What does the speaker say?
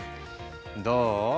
どう？